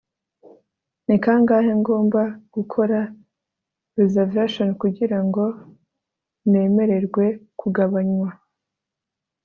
ni kangahe ngomba gukora reservation kugirango nemererwe kugabanywa